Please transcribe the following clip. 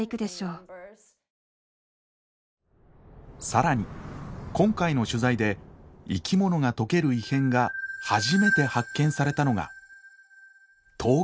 更に今回の取材で生き物が溶ける異変が初めて発見されたのが東京湾だ。